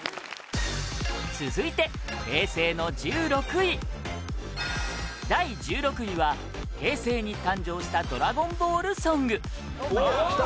続いて、平成の１６位第１６位は、平成に誕生した『ドラゴンボール』ソング伊達：おっ、きた！